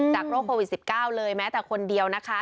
โรคโควิด๑๙เลยแม้แต่คนเดียวนะคะ